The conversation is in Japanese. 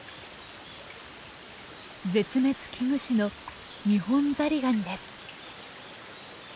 絶滅危惧種のニホンザリガニです。